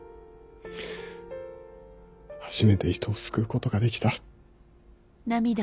初めて人を救うことができた。